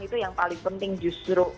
itu yang paling penting justru